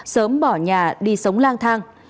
sớm bỏ nhà đi sống lang thang